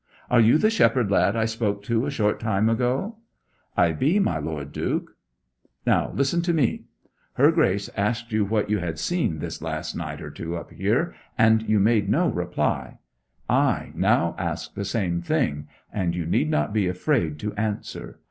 'Are you the shepherd lad I spoke to a short time ago?' 'I be, my Lord Duke.' 'Now listen to me. Her Grace asked you what you had seen this last night or two up here, and you made no reply. I now ask the same thing, and you need not be afraid to answer.